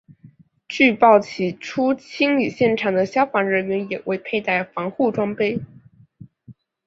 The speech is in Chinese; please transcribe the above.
据报起初清理现场的消防人员也未佩戴防护装备。